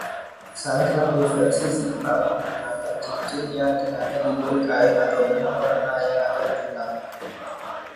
Salah satu versi Sipa menggunakan cincin yang tengahnya diberi kain atau benang warna yang akan ditendang.